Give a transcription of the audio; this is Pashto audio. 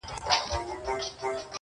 o بس کیسې دي د پنځه زره کلونو,